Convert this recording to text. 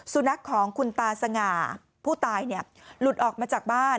สุนัขของคุณตาสง่าผู้ตายหลุดออกมาจากบ้าน